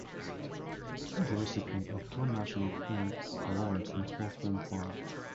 He is the recipient of two National Film Awards and four Filmfare Awards.